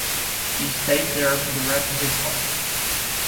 He stayed there for the rest of his life.